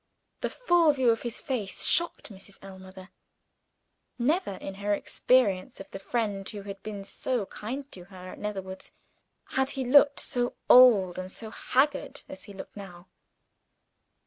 The full view of his face shocked Mrs. Ellmother. Never in her experience of the friend who had been so kind to her at Netherwoods, had he looked so old and so haggard as he looked now.